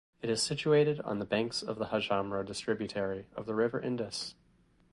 It is situated on the banks of the Hajamro distributary of the River Indus.